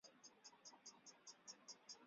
维莱欧讷人口变化图示